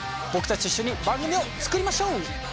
僕たちと一緒に番組を作りましょう！